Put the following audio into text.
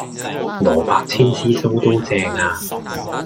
蘿蔔千絲酥都正呀